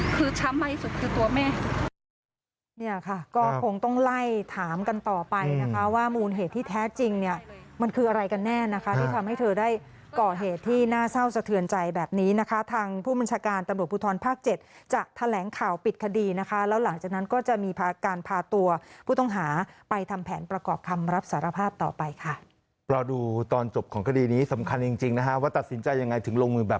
ก็ตายคือช้ำใหม่ที่สุดคือตัวแม่